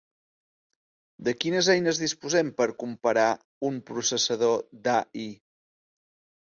De quines eines disposem per comparar un processador d'A-I?